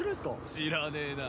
知らねえな。